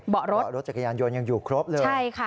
เบาะรถจักรยานยนต์ยังอยู่ครบเลย